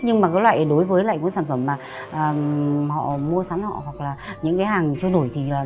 nhưng mà đối với lại những sản phẩm mà họ mua sẵn họ hoặc là những cái hàng châu nổi thì nó bở hơn